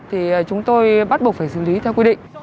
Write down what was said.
thì chúng tôi bắt buộc phải xử lý theo quy định